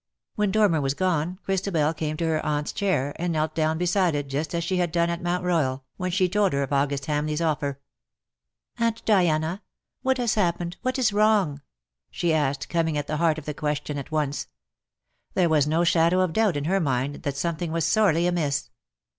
When Dormer was gone, Christabel came to her aunt's chair, and knelt down beside it just as she had done at Mount Royal, when she told her of Angus Hamleigh's offer. '^Aunt Diana, what has happened, what is wrong T' she asked, coming at the heart of the ques tion at once. There was no shadow of doubt in her mind that something was sorely amiss.